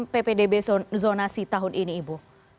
ppdb zonasi tahun ini ibu